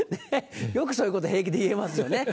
よくそういうこと平気で言えますよね。